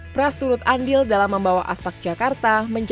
prast turut andil dalam membawa aspak jakarta ke jogja